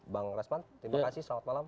bang resman terima kasih selamat malam